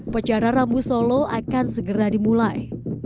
pecara rambu solo akan segera dimulai